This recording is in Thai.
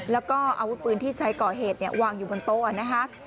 แล้วก็อาวุธปืนที่ใช้ก่อเหตุวางอยู่บนโต๊ะนะคะ